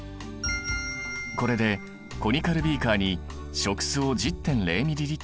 これでコニカルビーカーに食酢を１０．０ｍＬ